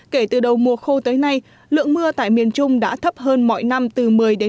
kể từ đầu mùa khô tới nay lượng mưa tại miền trung đã thấp hơn mọi năm từ một mươi một mươi năm